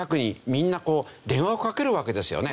みんなこう電話をかけるわけですよね。